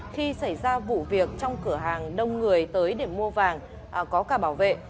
khi xảy ra vụ việc trong cửa hàng đông người tới để mua vàng có cả bảo vệ